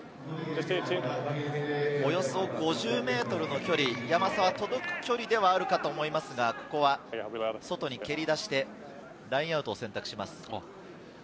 およそ５０ｍの距離、山沢、届く距離ではあるかと思いますが、ここは外に蹴り出してラインアウトを選択します。